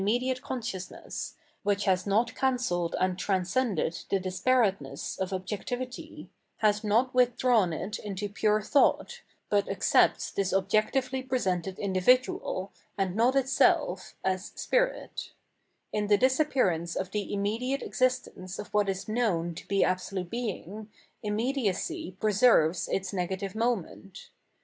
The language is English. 774 Phenomenology oj Mind itecK Tnftrftly an iTHTn 6diat6 consciousuBSSj whicli lias not cancelled and transcended tlie disparateness of objec tivity, has not withdrawn it into pure thought, but accepts this objectively presented individual, and not itself, as spirit. In the disappearance of the immediate existence of what is known to be Absolute Being, im mediacy preserves its negative moment.